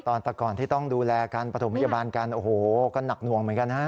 ตะก่อนที่ต้องดูแลกันประถมพยาบาลกันโอ้โหก็หนักหน่วงเหมือนกันฮะ